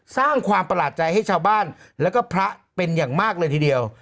สร้างความประหลาดใจให้ชาวบ้านแล้วก็พระเป็นอย่างมากเลยทีเดียว